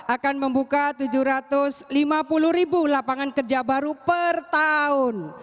akan membuka tujuh ratus lima puluh ribu lapangan kerja baru per tahun